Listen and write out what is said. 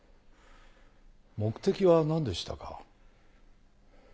目的はなんでしたか？